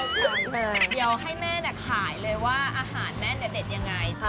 เดี๋ยวให้แม่ขายเลยว่าอาหารแม่เนี่ยเด็ดยังไง